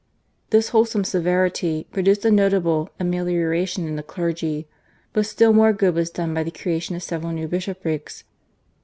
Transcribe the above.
This wholesome severity produced a notable amelioration in the clergy, but still more good was done by the creation of several new bishoprics.